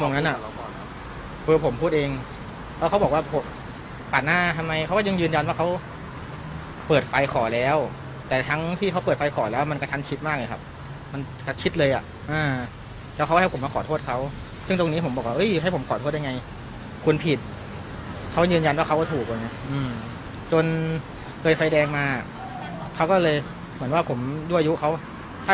มันมีความรู้สึกว่ามันมีความรู้สึกว่ามันมีความรู้สึกว่ามันมีความรู้สึกว่ามันมีความรู้สึกว่ามันมีความรู้สึกว่ามันมีความรู้สึกว่ามันมีความรู้สึกว่ามันมีความรู้สึกว่ามันมีความรู้สึกว่ามันมีความรู้สึกว่ามันมีความรู้สึกว่ามันมีความรู้สึกว่า